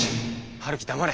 陽樹黙れ。